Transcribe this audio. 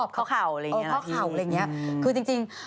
เข้าเข่าอะไรอย่างนี้หรอพี่คือจริง